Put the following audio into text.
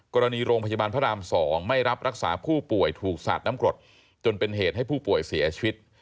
กรณีโรงพยาบาลพระราม๒ไม่รับรักษาผู้ป่วยถูกสาดน้ำกรดจนเป็นเหตุให้ผู้ป่วยเสียชีวิต